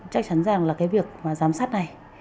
chắc chắn rằng là cái việc mà giám sát này